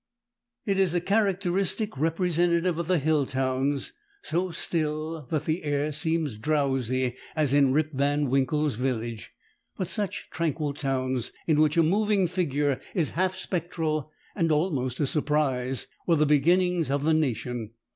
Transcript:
It is a characteristic representative of the hill towns, so still that the air seems drowsy as in Rip Van Winkle's village. But such tranquil towns, in which a moving figure is half spectral and almost a surprise, were the beginnings of the nation.